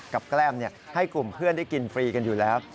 แกล้มให้กลุ่มเพื่อนได้กินฟรีกันอยู่แล้ว